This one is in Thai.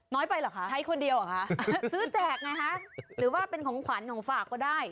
น้อยไปเหรอคะซื้อแจกไงคะหรือว่าเป็นของขวัญของฝากก็ได้